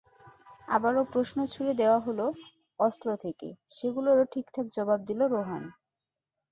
আবারও প্রশ্ন ছুড়ে দেওয়া হলো অসলো থেকে, সেগুলোরও ঠিকঠাক জবাব দিল রোহান।